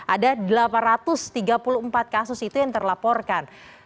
ada delapan ratus tiga puluh empat kasus itu yang terlaporkan